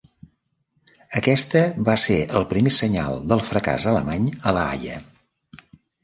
Aquesta va ser el primer senyal del fracàs alemany a la Haia.